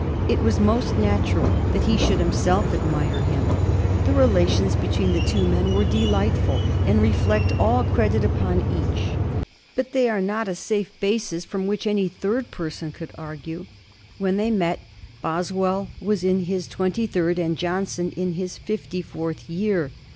It was most natural that he should himself admire him. The relations between the two men were delightful and reflect all credit upon each. But they are not a safe basis from which any third person could argue. When they met, Boswell was in his twenty third and Johnson in his fifty fourth year.